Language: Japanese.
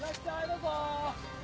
どうぞ！